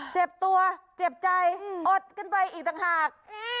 เจ็บตัวเจ็บใจอดกันไปอีกต่างหาก